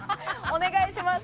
お願いします。